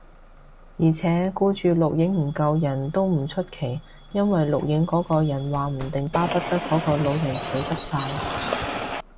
而且，顧住錄影唔救人，都唔出奇，因為錄影嗰個人話唔定巴不得嗰個老人快啲死